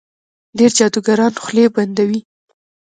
ډېر جادوګران خولې بندوي.